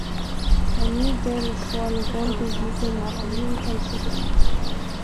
— А мӱй ден шуанвондо вӱдым йӱын онченат?